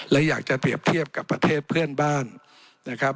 และอยากจะเปรียบเทียบกับประเทศเพื่อนบ้านนะครับ